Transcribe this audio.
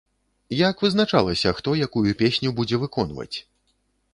Як вызначалася, хто якую песню будзе выконваць?